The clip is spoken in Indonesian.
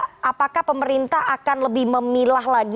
terakhir pak erlangga apakah pemerintah akan lebih memilah lagi